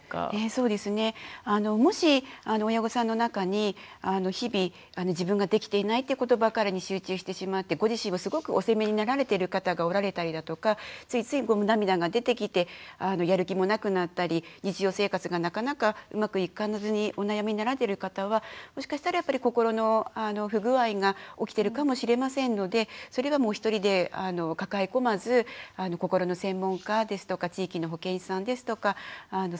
そうですねもし親御さんの中に日々自分ができていないということばかりに集中してしまってご自身をすごくお責めになられてる方がおられたりだとかついつい涙が出てきてやる気もなくなったり日常生活がなかなかうまくいかずにお悩みになられてる方はもしかしたら心の不具合が起きてるかもしれませんのでそれはお一人で抱え込まずしゅうちゃん３歳なのにすごいね。